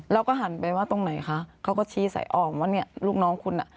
เราก็หันไปว่าตรงไหนคะเขาก็ชี้สายออกว่าเนี่ยลูกน้องคุณอ่ะ